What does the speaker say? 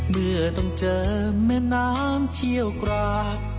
เมื่อต้องเจอแม่น้ำเชี่ยวกราก